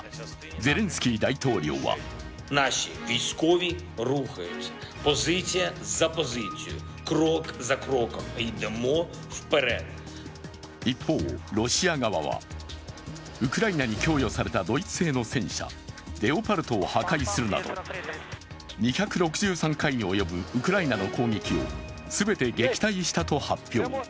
ゼレンスキー大統領は一方、ロシア側は、ウクライナに供与されたドイツ製の戦車、レオパルトを破壊するなど２６３回に及ぶウクライナの攻撃を全て撃退したと発表。